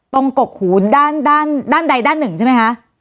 กกหูด้านด้านใดด้านหนึ่งใช่ไหมคะ